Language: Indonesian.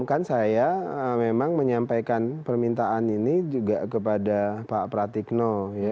kan saya memang menyampaikan permintaan ini juga kepada pak pratikno